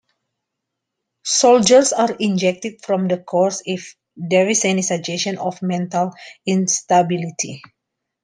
Soldiers are ejected from the course if there is any suggestion of mental instability.